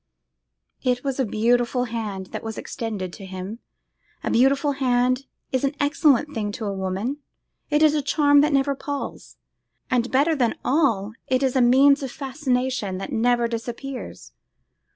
It was a beautiful hand that was extended to him; a beautiful hand is an excellent thing in woman; it is a charm that never palls, and better than all, it is a means of fascination that never disappears.